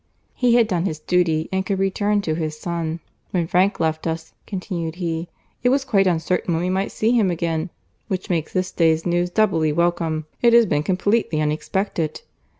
He had done his duty and could return to his son. "When Frank left us," continued he, "it was quite uncertain when we might see him again, which makes this day's news doubly welcome. It has been completely unexpected.